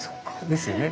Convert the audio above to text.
ですよね。